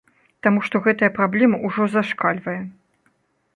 Таму што гэтая праблема ўжо зашкальвае.